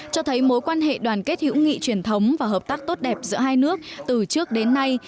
cho thấy mối quan hệ đoàn kết hữu nghị truyền thống và hợp tác tốt đẹp giữa hai nước từ trước đến nay